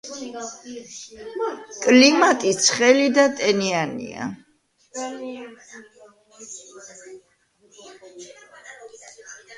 კლიმატი ცხელი და ტენიანია.